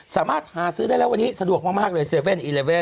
สามารถหาซื้อได้แล้ววันนี้สะดวกมากเลย๗๑๑